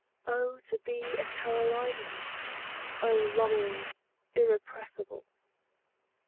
O to be a Carolinian!O longings irrepressible!